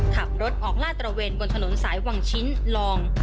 ขับรถออกลาดตระเวนบนถนนสายวังชิ้นลอง